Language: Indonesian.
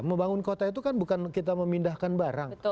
membangun kota itu kan bukan kita memindahkan barang